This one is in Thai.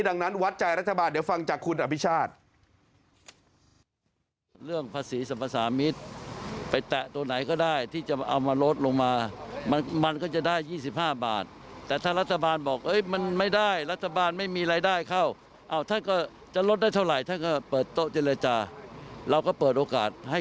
ดังนั้นวัดใจรัฐบาลเดี๋ยวฟังจากคุณอภิชาติ